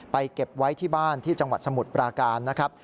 เก็บไว้ที่บ้านที่จังหวัดสมุทรปราการนะครับ